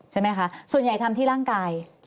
ใช่ไหมคะส่วนใหญ่ทำที่ร่างกาย